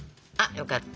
よかった。